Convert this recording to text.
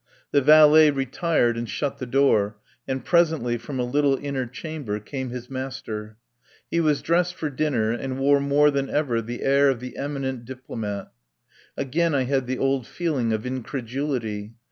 The valet retired and shut the door, and presently from a little inner chamber came his master. He was dressed for dinner and wore more than ever the air of the eminent diplo mat. Again I had the old feeling of incre dulity.